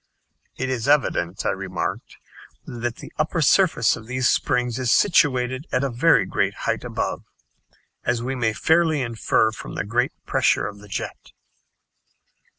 "It is evident," I remarked, "that the upper surface of these springs is situated at a very great height above as we may fairly infer from the great pressure of the jet."